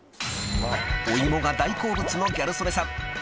［お芋が大好物のギャル曽根さん］